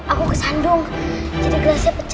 aku kesandung jadi gelasnya pecah